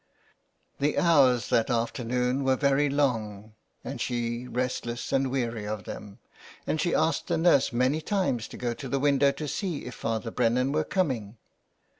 The hours that afternoon were very long and she restless and weary of them, and she asked the nurse many times to go to the window to see if Father Brennan were coming.